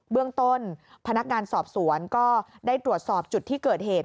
เรื่องต้นพนักงานสอบสวนก็ได้ตรวจสอบจุดที่เกิดเหตุ